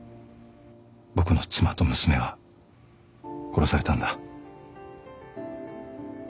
僕の妻と娘は殺されたんだ